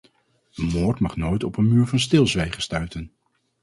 Een moord mag nooit op een muur van stilzwijgen stuiten.